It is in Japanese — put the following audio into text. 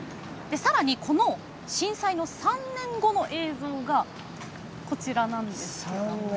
さらにこの震災の３年後の映像がこちらです。